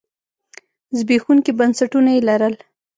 زبېښونکي بنسټونه یې لرل.